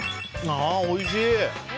ああ、おいしい！